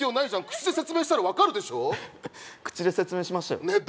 口で説明したら分かるでしょ口で説明しましたよねえ